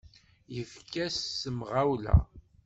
Yekfa s temɣawla.